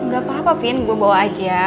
gak apa apa pin gue bawa aja